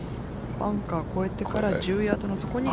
バンカーを越えてから、１０ヤードのところに。